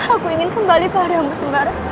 aku ingin kembali padamu sembarang